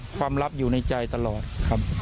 ความลับอยู่ในใจตลอดค่ะ